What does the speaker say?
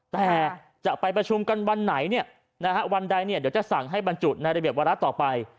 แต่จะไปประชุมกันวันไหนวันใดเนี่ยเดี๋ยวจะสั่งให้บรรจุในระเบียบวาระต่อไป